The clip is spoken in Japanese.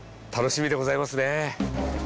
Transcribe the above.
楽しみでございますね。